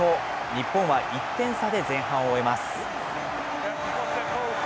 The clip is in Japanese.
日本は１点差で前半を終えます。